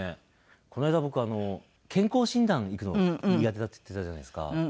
この間僕あの健康診断行くの苦手だって言ってたじゃないですか。